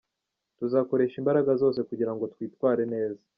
Tuzakoresha imbaraga zose kugira ngo twitware neza.